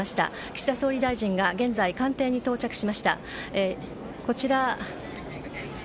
岸田総理大臣が官邸に到着しました。